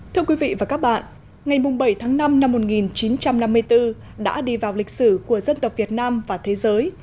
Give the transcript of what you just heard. thưa quý vị và các bạn ngày bảy tháng năm năm một nghìn chín trăm năm mươi bốn đã đi vào lịch sử của dân tộc việt nam và thế giới